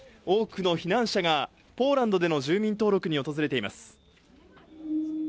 多くの避難者がポーランドでの住民登録に訪れています。